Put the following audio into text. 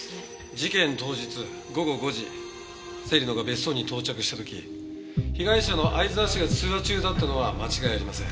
事件当日午後５時芹野が別荘に到着した時被害者の逢沢氏が通話中だったのは間違いありません。